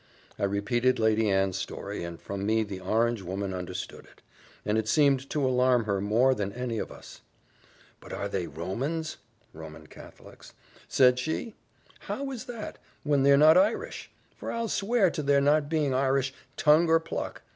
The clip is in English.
I repeated Lady Anne's story, and from me the orange woman understood it; and it seemed to alarm her more than any of us. "But are they Romans?" (Roman Catholics) said she. "How is that, when they're not Irish! for I'll swear to their not being Irish, tongue or pluck.